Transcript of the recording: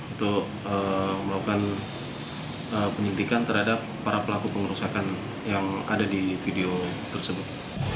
untuk melakukan penyuntikan terhadap para pelaku pengerusakan yang ada di video tersebut